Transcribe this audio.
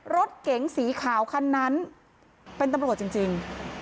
รถเก๋งสีขาวคันนั้นเป็นตำรวจจริง